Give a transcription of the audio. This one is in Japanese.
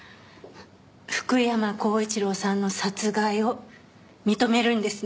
福山光一郎さんの殺害を認めるんですね？